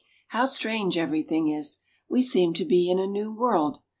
H ow strange everything is ! We seem to be in a new world.